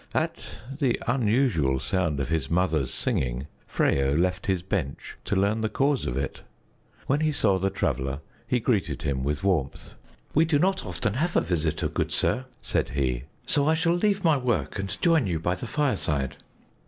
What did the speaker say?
At the unusual sound of his mother's singing, Freyo left his bench to learn the cause of it. When he saw the Traveler, he greeted him with warmth. "We do not often have a visitor, good sir," said he, "so I shall leave my work and join you by the fireside."